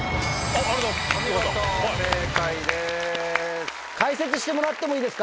お見事正解です。